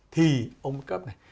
thì ông cấp này